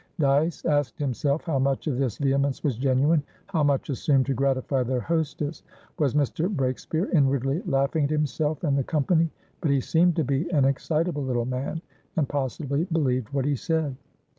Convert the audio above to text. Dyce asked himself how much of this vehemence was genuine, how much assumed to gratify their hostess. Was Mr. Breakspeare inwardly laughing at himself and the company? But he seemed to be an excitable little man, and possibly believed what he said.